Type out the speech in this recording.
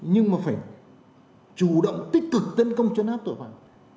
nhưng mà phải chủ động tích cực tấn công chấn áp tội phạm